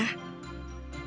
ambil saja selembar kertas